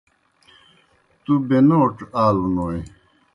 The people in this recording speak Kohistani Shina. تُوْ بَینَوڇ آلوْنوئے۔